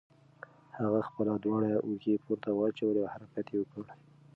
هغه خپلې دواړه اوږې پورته واچولې او حرکت یې وکړ.